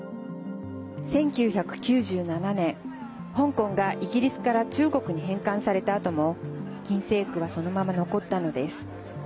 １９９７年、香港がイギリスから中国に返還されたあとも禁制区は、そのまま残ったのです。